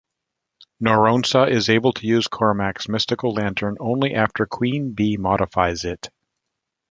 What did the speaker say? Noronsa is able to use Cormac's mystical lantern only after Queen Bee modifies it.